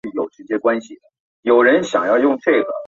射箭比赛于亚特兰大的石山举行。